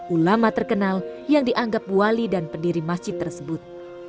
ulama terkenal yang dianggap wali dan pendiri masjid tersebut